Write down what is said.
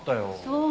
そう。